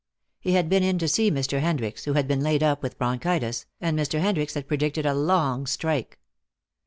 He had been in to see Mr. Hendricks, who had been laid up with bronchitis, and Mr. Hendricks had predicted a long strike.